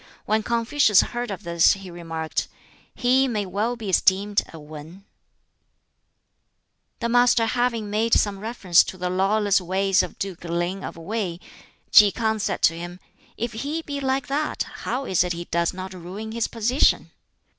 When Confucius heard of this he remarked, "He may well be esteemed a 'Wan,'" The Master having made some reference to the lawless ways of Duke Ling of Wei, Ki K'ang said to him, "If he be like that, how is it he does not ruin his position?"